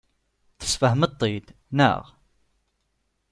Tesfehmeḍ-t-id, naɣ?